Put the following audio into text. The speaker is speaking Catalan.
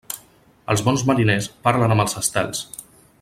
Els bons mariners parlen amb els estels.